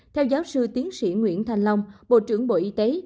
theo giáo sư tiến sĩ nguyễn thành long bộ trưởng bộ y tế